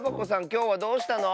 きょうはどうしたの？